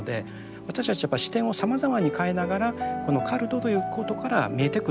私たちは視点をさまざまに変えながらこのカルトということから見えてくる問題をですね